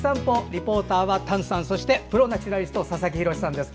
リポーターは丹さんそしてプロ・ナチュラリスト佐々木洋さんです。